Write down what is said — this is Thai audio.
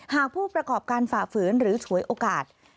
หากผู้ประกอบการฝ่าฝืนหรือฉวยโอกาส